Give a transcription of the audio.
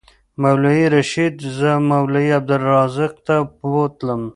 مولوي رشید زه مولوي عبدالرزاق ته بوتلم.